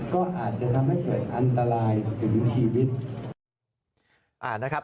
ก็อาจจะทำให้เกิดอันตรายถึงชีวิต